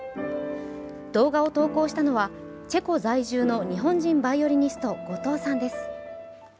動画を投稿したのはチェコ在住の日本人バイオリニスト、後藤さんです。